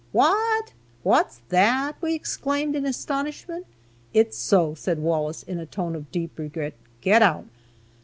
"What! What's that?" we exclaimed, in astonishment. "It's so," said Wallace, in a tone of deep regret; "get out."